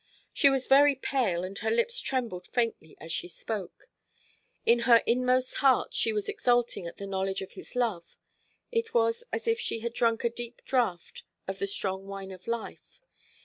She was very pale, and her lips trembled faintly as she spoke. In her inmost heart she was exulting at the knowledge of his love. It was as if she had drunk a deep draught of the strong wine of life.